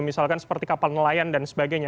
misalkan seperti kapal nelayan dan sebagainya